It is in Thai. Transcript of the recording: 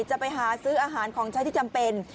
จะไปหาซื้ออาหารของใช้ที่จำเป็น